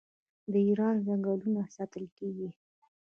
د ایران ځنګلونه ساتل کیږي.